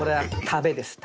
食べですね。